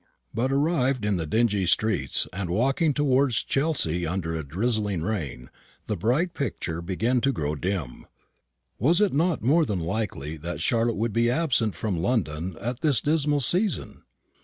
But, arrived in the dingy streets, and walking towards Chelsea under a drizzling rain, the bright picture began to grow dim. Was it not more than likely that Charlotte would be absent from London at this dismal season?